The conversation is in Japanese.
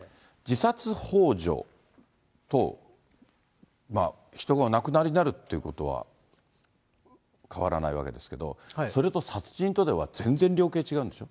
自殺ほう助と人がお亡くなりになるということは変わらないわけですけど、それと殺人とでは全然量刑違うんでしょ。